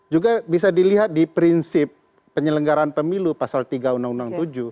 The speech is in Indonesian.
juga bisa dilihat di prinsip penyelenggaraan pemilu pasal tiga undang undang tujuh